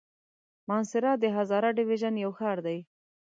مانسهره د هزاره ډويژن يو ښار دی.